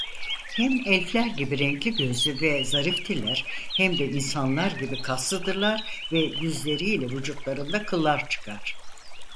Hem elfler gibi renkli gözlü ve zariftirler hem de insanlar gibi kaslıdırlar ve yüzleriyle vücutlarında kıllar çıkar.